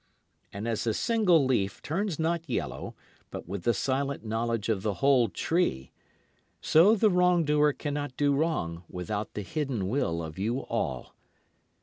And as a single leaf turns not yellow but with the silent knowledge of the whole tree, So the wrong doer cannot do wrong without the hidden will of you all.